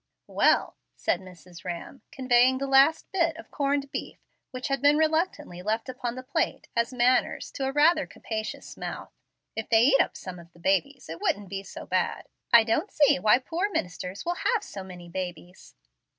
"Well," said Mrs. Rhamm, conveying the last bit of corned beef, which had been reluctantly left upon the plate as "manners," to a rather capacious mouth, "if they would eat up some of the babies it wouldn't be so bad. I don't see why poor ministers will have so many babies."